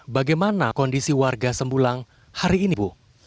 bagaimana kondisi warga sempulang hari ini ibu